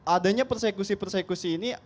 adanya persekusi persekusi ini